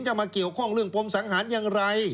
มาเกี่ยวข้องเรื่องปมสังหารอย่างไร